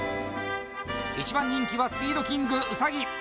１番人気はスピードキング・ウサギ